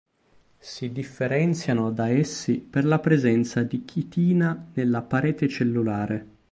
Si differenziano da essi per la presenza di chitina nella parete cellulare.